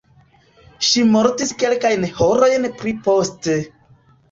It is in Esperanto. Ŝi mortis kelkajn horojn pli poste.